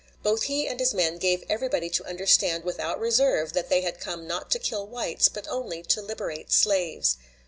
Both he and his men gave everybody to understand without reserve that they had come not to kill whites, but only to liberate slaves.